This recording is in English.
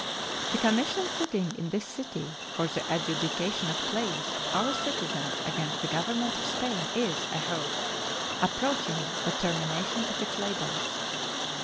The commission sitting in this city for the adjudication of claims of our citizens against the Government of Spain is, I hope, approaching the termination of its labors.